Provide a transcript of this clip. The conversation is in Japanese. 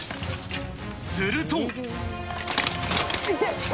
すると。